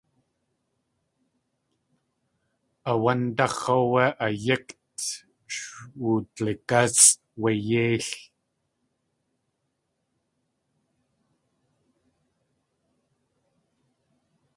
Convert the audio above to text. A wándáx̲ áwé a yíkt sh wudligásʼ wé yéil.